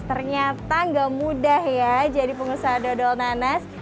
ternyata nggak mudah ya jadi pengusaha dodol nanas